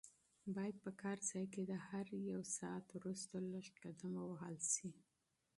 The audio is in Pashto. باید په کار ځای کې د هر یو ساعت وروسته لږ قدم ووهل شي.